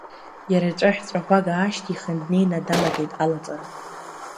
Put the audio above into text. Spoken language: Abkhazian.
Иара иҵәаҳә ҵәаӷәага аашьҭихын днеины далагеит алаҵара.